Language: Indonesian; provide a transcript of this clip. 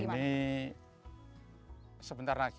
ini sebentar lagi